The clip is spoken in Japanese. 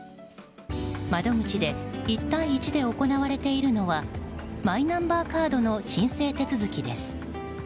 窓口で１対１で行われているのはマイナンバーカードの申請手続きです。